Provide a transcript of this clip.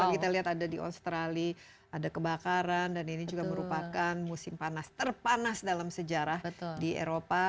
kita lihat ada di australia ada kebakaran dan ini juga merupakan musim panas terpanas dalam sejarah di eropa